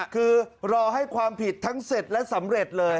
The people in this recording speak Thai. คือรอให้ความผิดทั้งเสร็จและสำเร็จเลย